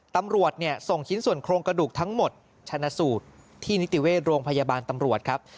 ตำรวจส่งชิ้นส่วนโครงกระดูกทั้งหมดชนะสูตรที่นิติเวชโรงพยาบาลตำรวจครับ